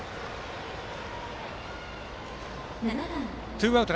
ツーアウト。